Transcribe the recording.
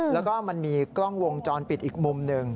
แล้วก็มันมีกล้องวงจรปิดอีกมุมหนึ่ง